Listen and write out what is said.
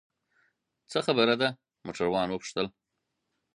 څه خبره ده؟ موټروان وپوښتل.